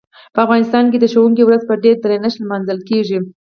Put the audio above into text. په افغانستان کې د ښوونکي ورځ په ډیر درنښت لمانځل کیږي.